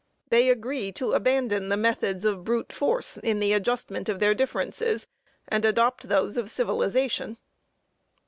They agree to abandon the methods of brute force in the adjustment of their differences, and adopt those of civilization.